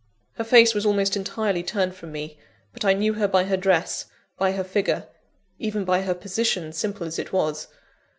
Her face was almost entirely turned from me; but I knew her by her dress, by her figure even by her position, simple as it was.